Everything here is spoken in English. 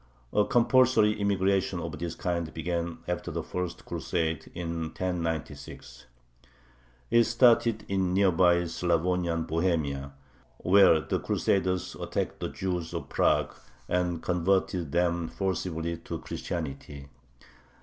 A compulsory immigration of this kind began after the first Crusade, in 1096. It started in near by Slavonian Bohemia, where the Crusaders attacked the Jews of Prague, and converted them forcibly to Christianity.